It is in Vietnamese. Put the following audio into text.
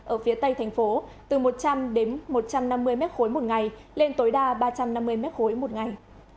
ở phía tây thành phố từ một trăm linh đến một trăm năm mươi mét khối một ngày lên tối đa ba trăm năm mươi mét khối một ngày